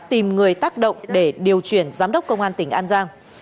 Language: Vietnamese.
tìm người tác động để điều chuyển giám đốc công an tỉnh an giang